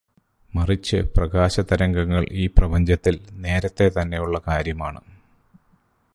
മറിച്ച്, പ്രകാശതരംഗങ്ങൾ ഈ പ്രപഞ്ചത്തിൽ നേരത്തെ തന്നെയുള്ള കാര്യമാണ്.